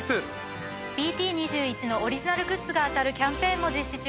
ＢＴ２１のオリジナルグッズが当たるキャンペーンも実施中です。